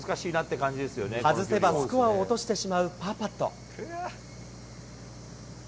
外せばスコアを落としてしまうパーパット。